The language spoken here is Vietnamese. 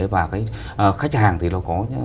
và cái khách hàng thì nó có